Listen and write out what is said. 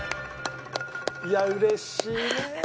いやうれしいね！